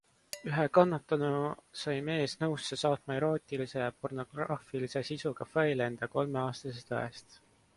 Ühe kannatanu sai mees nõusse saatma erootilise ja pornograafilise sisuga faile enda kolmeaastasest õest.